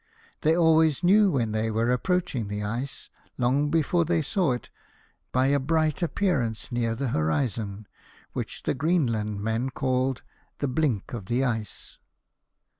They always knew when they were approaching the ice, long before they saw it, by a bright appearance VOYAGE TO THE EAST INDIES. 13 near the horizon, which the Greenlandmen called the blink of the ice.